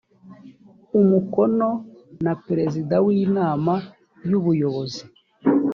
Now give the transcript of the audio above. umukono na perezida w inama y ubuyobozi